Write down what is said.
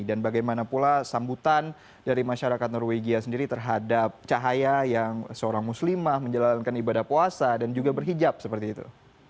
dan bagaimana pula sambutan dari masyarakat norwegia sendiri terhadap cahaya yang seorang muslimah menjalankan ibadah puasa dan juga berhijab seperti itu